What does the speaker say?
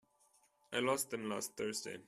I lost them last Thursday.